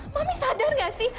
mami sadar nggak sih